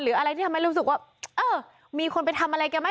อะไรที่ทำให้รู้สึกว่าเออมีคนไปทำอะไรแกไหม